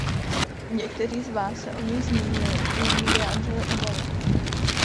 Někteří z vás se o nich zmínili; jiní vyjádřili obavy.